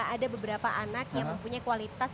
ada beberapa anak yang mempunyai kualitas